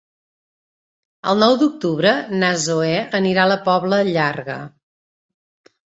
El nou d'octubre na Zoè anirà a la Pobla Llarga.